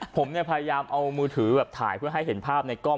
ผมเนี่ยพยายามเอามือถือแบบถ่ายเพื่อให้เห็นภาพในกล้อง